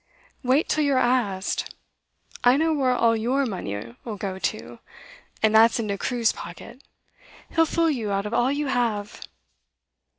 'Wait till you're asked. I know where all your money 'll go to. And that's into Crewe's pocket. He'll fool you out of all you have.